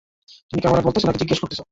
তুমি কি আমারে বলতেসো, নাকি জিজ্ঞেস করতেসো?